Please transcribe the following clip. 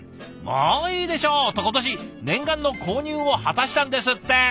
もういいでしょうと今年念願の購入を果たしたんですって。